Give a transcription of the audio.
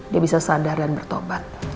dia bisa sadar dan bertobat